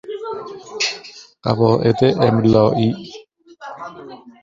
قواعد املائی